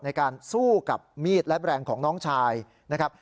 ในการสู้กับมีดและแบรนด์ของน้องชายนะครับ